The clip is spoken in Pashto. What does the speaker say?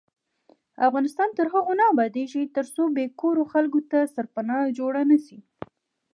افغانستان تر هغو نه ابادیږي، ترڅو بې کوره خلکو ته سرپناه جوړه نشي.